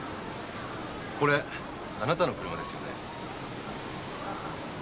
これあなたの車ですよね？